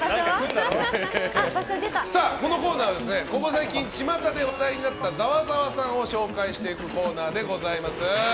このコーナーはここ最近、ちまたで話題になったざわざわさんを紹介していくコーナーでございます。